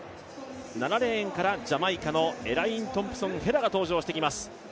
７レーンからジャマイカのエライン・トンプソン・ヘラが登場してきます。